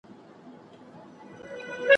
له ګل غونډیه به مي سیوری تر مزاره څارې `